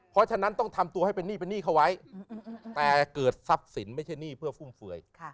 เพราะฉะนั้นต้องทำตัวให้เป็นหนี้เป็นหนี้เข้าไว้แต่เกิดทรัพย์สินไม่ใช่หนี้เพื่อฟุ่มเฟื่อย